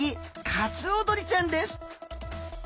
カツオドリちゃんです。